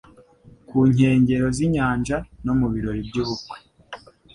ku nkengero z’inyanja, no mu birori by’ubukwe